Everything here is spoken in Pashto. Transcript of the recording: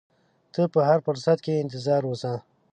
ته په هر فرصت کې انتظار اوسه.